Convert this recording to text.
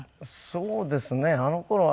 そうですねあの頃は。